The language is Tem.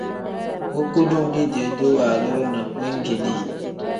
Bu kudum liidee-duu waaluru ne weegeeli.